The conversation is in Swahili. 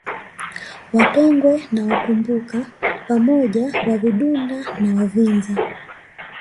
Watongwe na Watumbuka pamoja Wavidunda na Wavinza